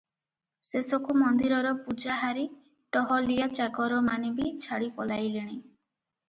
ଶେଷକୁ ମନ୍ଦିରର ପୂଜାହାରୀ ଟହଲିଆ ଚାକରମାନେ ବି ଛାଡ଼ି ପଳାଇଲେଣି ।